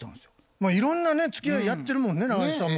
まあいろんなねつきあいやってるもんね中西さんも。